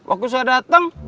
aku sudah datang